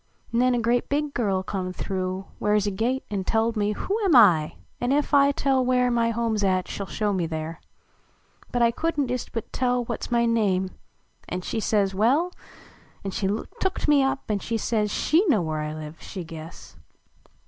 Xen a grea big girl come through Where s a gate, an telled me who Am T ? an ef I tell where My home s at she ll show me there. But T couldn t ist but tell What s my name; an she says well, An she tooked me up an says She know where I live, she guess.